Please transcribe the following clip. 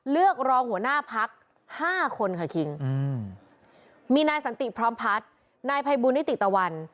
เลือกรองหัวหน้าพัก๕คนค่ะคิงมีนายสันติพร้อมพัฒน์นายภัยบุญนิติตะวัน